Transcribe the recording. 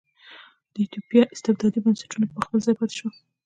د ایتوپیا استبدادي بنسټونه په خپل ځای پاتې شول.